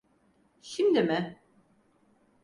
Şimdi mi?